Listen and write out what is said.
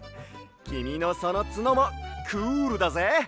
きみのそのつのもクールだぜ！